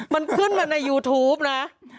มันขึ้นมาในยูทูปนะ